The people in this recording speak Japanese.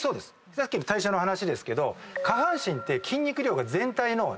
さっきの代謝の話ですけど。